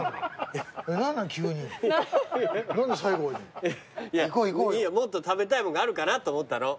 いやもっと食べたいものがあるかなと思ったの。